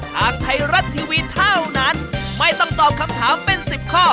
ทางไทยรัฐทีวีเท่านั้นไม่ต้องตอบคำถามเป็น๑๐ข้อ